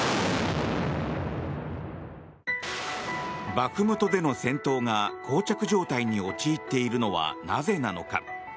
バフムトでの戦闘がこう着状態に陥っているのはなぜなのか。